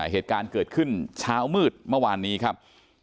เหตุการณ์เกิดขึ้นเช้ามืดเมื่อวานนี้ครับ